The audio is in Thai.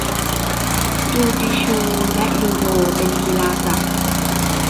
จูจิชูและ ยูโด เป็นกีฬาจับ